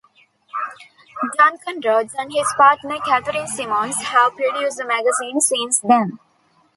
Duncan Roads and his partner Catherine Simons have produced the magazine since then.